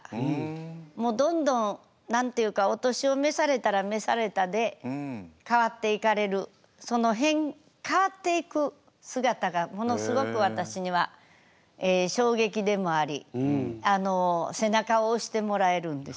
もうどんどん何て言うかお年を召されたら召されたで変わっていかれるその変わっていく姿がものすごく私には衝撃でもあり背中を押してもらえるんです。